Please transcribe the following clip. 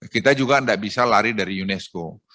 kita juga tidak bisa lari dari unesco